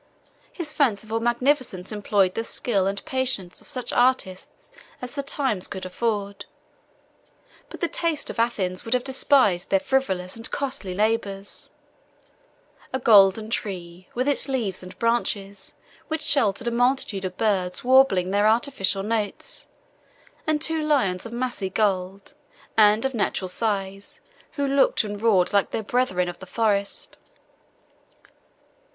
His fanciful magnificence employed the skill and patience of such artists as the times could afford: but the taste of Athens would have despised their frivolous and costly labors; a golden tree, with its leaves and branches, which sheltered a multitude of birds warbling their artificial notes, and two lions of massy gold, and of natural size, who looked and roared like their brethren of the forest.